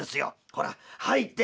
ほら入って」。